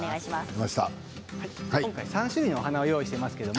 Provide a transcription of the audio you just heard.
３種類の花を用意しています。